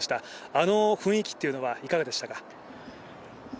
あの雰囲気っていうのはいかがでしたか？